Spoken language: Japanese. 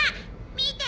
見て！